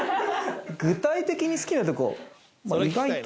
具体的に好きなとこ。